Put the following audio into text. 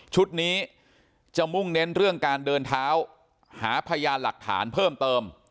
ชุดนี้จะมุ่งเน้นเรื่องการเดินเท้าหาพยานหลักฐานเพิ่มเติม